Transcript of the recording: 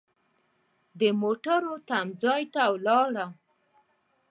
د موټرو تم ځای ته ولاړم.